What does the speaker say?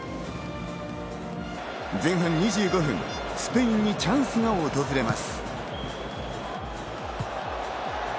前半２５分、スペインにチャンスが訪れます。